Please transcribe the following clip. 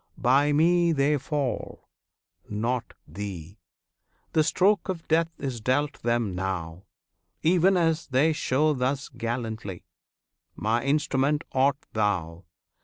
By Me they fall not thee! the stroke of death is dealt them now, Even as they show thus gallantly; My instrument art thou!